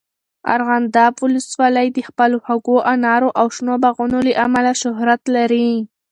ارغنداب ولسوالۍ د خپلو خوږو انارو او شنو باغونو له امله شهرت لري.